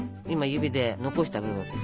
今指で残した部分。